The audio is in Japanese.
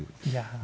いや。